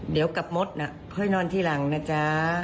เดี๋ยวกับมดค่อยนอนทีหลังนะจ๊ะ